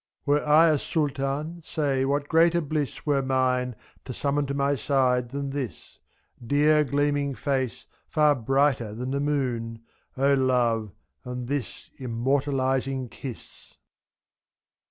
40 Were I a Sultan, say what greater bliss Were mine to summon to my side than this, — '^^"Dear gleaming face, far brighter than the moon! O Love ! and this immortalizing kiss.